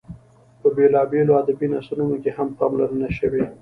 په بېلابېلو ادبي نثرونو کې هم پاملرنه شوې.